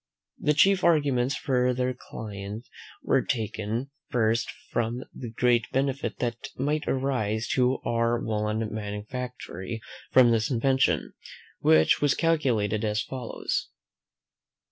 The chief arguments for their client were taken, first, from the great benefit that might arise to our woollen manufactory from this invention, which was calculated as follows.